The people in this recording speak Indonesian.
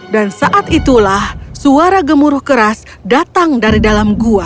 dan saat itulah suara gemuruh keras datang dari dalam gua